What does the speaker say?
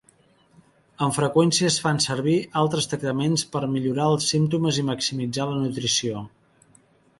Amb freqüència, es fan servir altres tractaments per millorar els símptomes i maximitzar la nutrició.